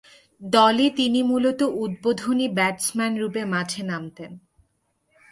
দলে তিনি মূলতঃ উদ্বোধনী ব্যাটসম্যানরূপে মাঠে নামতেন।